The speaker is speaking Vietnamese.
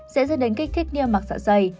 dễ dân đến kích thích niêm mạc sạc dày